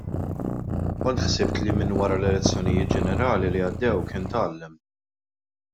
Kont ħsibt li minn wara l-elezzjonijiet ġenerali li għaddew kien tgħallem.